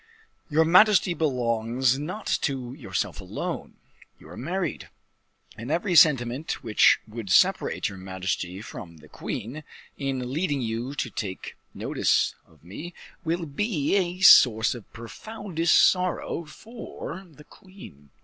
Your majesty belongs not to yourself alone: you are married; and every sentiment which would separate your majesty from the queen, in leading you to take notice of me, will be a source of profoundest sorrow for the queen."